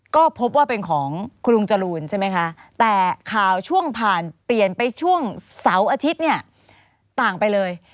ก็พบว่าเป็นของคุณลุงจรูนใช่ไหมคะแต่ข่าวช่วงผ่านเปลี่ยนไปช่วงเสาร์อาทิตย์เนี่ยต่างไปเลย